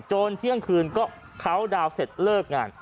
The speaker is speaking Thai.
จนเที่ยงคืนกลับเชื้อวานกันเกิดเขาดาวเต็บความเริ่ม